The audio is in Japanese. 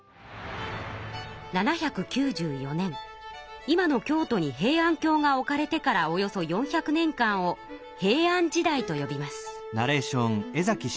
７９４年今の京都に平安京が置かれてからおよそ４００年間を平安時代とよびます。